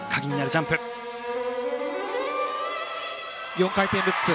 ４回転ルッツ。